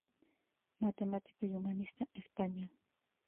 Matemático y humanista español.